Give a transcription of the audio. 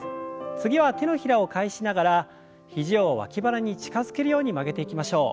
次は手のひらを返しながら肘を脇腹に近づけるように曲げていきましょう。